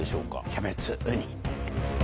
キャベツウニ。